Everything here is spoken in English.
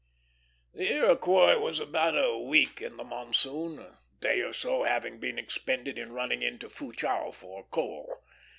The Iroquois was about a week in the monsoon, a day or so having been expended in running into Fuchau for coal.